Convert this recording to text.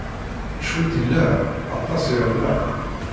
Cwiṭ illa, aṭas irna.